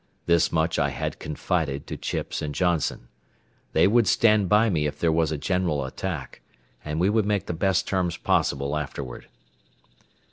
This much I had confided to Chips and Johnson. They would stand by me if there was a general attack, and we would make the best terms possible afterward.